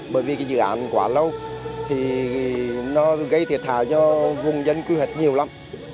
bởi vì dự án quá lâu thì nó gây thiệt hại cho vùng dân quy hoạch nhiều lắm